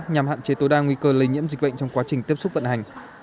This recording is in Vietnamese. nhằm hạn chế tối đa nguy cơ lây nhiễm dịch bệnh trong quá trình tiếp xúc vận hành